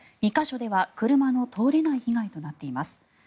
２か所では車の通れない被害となっています。